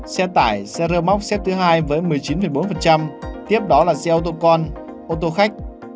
xe tải xe rơ móc xếp thứ hai với một mươi chín bốn tiếp đó là xe ô tô con ô tô khách